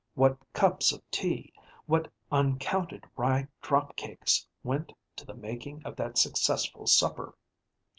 What cups of tea, what uncounted rye drop cakes, went to the making of that successful supper!